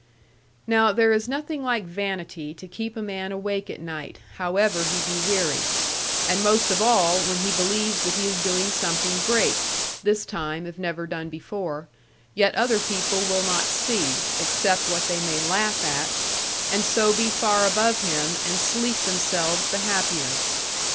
Now there is nothing like vanity to keep a man awake at night, however he be weary; and most of all, when he believes that he is doing something great this time, if never done before yet other people will not see, except what they may laugh at; and so be far above him, and sleep themselves the happier.